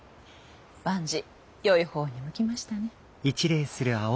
万事よいほうにいきましたね。